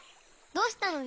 どうしたの？